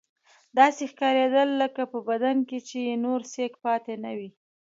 داسې ښکارېدل لکه په بدن کې چې یې نور سېک پاتې نه وي.